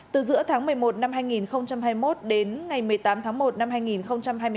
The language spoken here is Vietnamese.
từ giữa tháng một mươi một năm hai nghìn hai mươi một đến ngày một mươi tám tháng một năm hai nghìn hai mươi hai